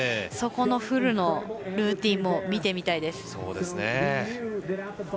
そこのフルのルーティンも見てみたいです。